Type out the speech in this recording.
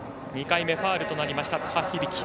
２回目、ファウルとなりました津波響樹。